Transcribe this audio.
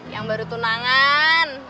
yang baru tunangan